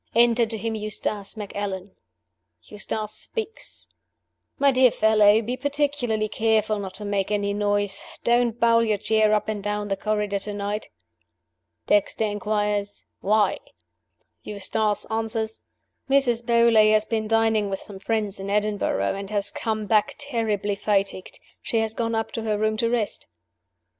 Enter to him Eustace Macallan. Eustace speaks: 'My dear fellow, be particularly careful not to make any noise; don't bowl your chair up and down the corridor to night.' Dexter inquires, 'Why?' Eustace answers: 'Mrs. Beauly has been dining with some friends in Edinburgh, and has come back terribly fatigued: she has gone up to her room to rest.